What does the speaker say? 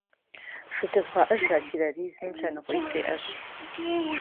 Давайте признаем, что в области борьбы с терроризмом существуют двойные стандарты.